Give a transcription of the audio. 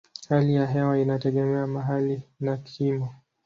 Hali ya hewa inategemea mahali na kimo.